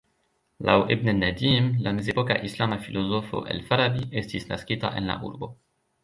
Laŭ "Ibn al-Nadim", la mezepoka islama filozofo "Al-Farabi" estis naskita en la urbo.